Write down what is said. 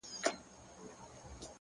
عاجزي د درناوي دروازې خلاصوي.